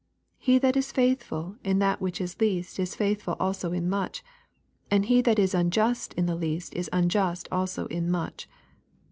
10 He that is faithful in that which is least is faithful also in much : and he that is unjust in the least is un just also in much.